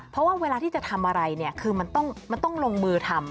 เพราะว่าเวลาที่จะทำอะไรเนี่ยคือมันต้องลงมือทำ